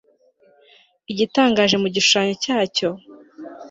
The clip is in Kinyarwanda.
igitangaje mu gishushanyo cyacyo